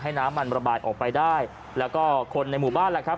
น้ำมันระบายออกไปได้แล้วก็คนในหมู่บ้านแหละครับ